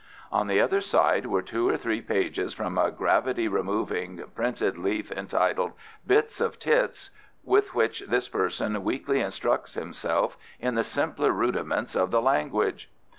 On the other side were two or three pages from a gravity removing printed leaf entitled 'Bits of Tits,' with which this person weekly instructs himself in the simpler rudiments of the language.